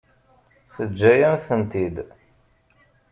Teǧǧa-yam-tent-id.